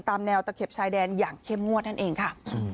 แนวตะเข็บชายแดนอย่างเข้มงวดนั่นเองค่ะ